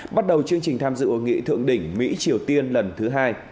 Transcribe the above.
bắt đầu chương trình tham dự hội nghị thượng đỉnh mỹ triều tiên lần thứ hai